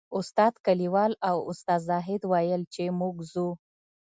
استاد کلیوال او استاد زاهد ویل چې موږ ځو.